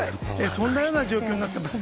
そんなような状況になっています。